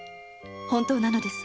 本当なのです。